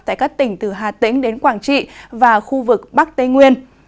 tại các tỉnh từ hà tĩnh đến quảng trị và khu vực bắc tây nguyên